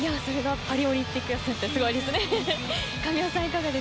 パリオリンピック予選、決定戦すごいですね。